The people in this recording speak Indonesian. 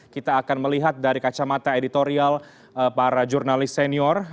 kita akan melihat dari kacamata editorial para jurnalis senior